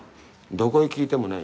どこへ聞いてもない。